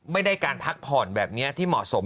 ไม่ได้การพักผ่อนแบบนี้ที่เหมาะสม